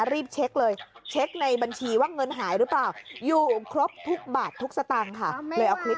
รีบเช็คเลยเช็คในบัญชีว่าเงินหายหรือเปล่า